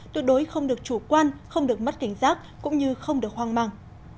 tuyệt đối không được chủ quan không được mất cảnh giác cũng như không được hoang mang